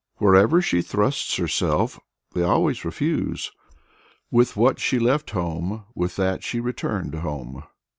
Wherever she thrusts herself, they always refuse. With what she left home, with that she returned home.